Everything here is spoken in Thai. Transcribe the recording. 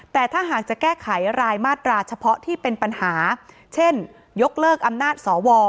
แต่ถ้าหากจะแก้ไขรายมาตราเฉพาะที่เป็นปัญหาเช่นยกเลิกอำนาจสว